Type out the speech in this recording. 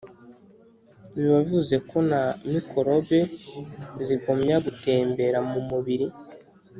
biba bivuze ko na mikorobe zigomya gutembera mu mubiri